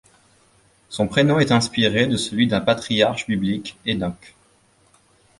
Son prénom est inspiré de celui d'un patriarche biblique, Hénok.